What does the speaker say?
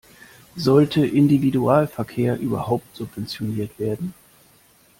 Sollte Individualverkehr überhaupt subventioniert werden?